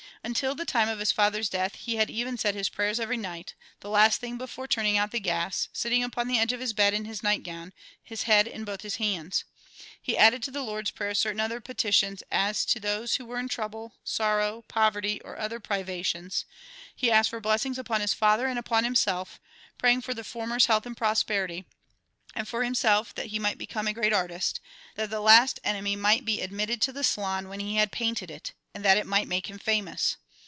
Until the time of his father's death he had even said his prayers every night, the last thing before turning out the gas, sitting upon the edge of his bed in his night gown, his head in both his hands. He added to the Lord's Prayer certain other petitions as to those who were in trouble, sorrow, poverty, or any other privations; he asked for blessings upon his father and upon himself, praying for the former's health and prosperity, and for himself, that he might become a great artist, that the "Last Enemy" might be admitted to the Salon when he had painted it, and that it might make him famous.